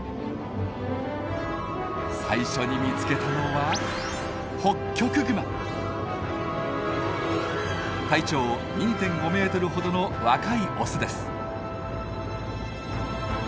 最初に見つけたのは体長２．５ｍほどの若いオスです。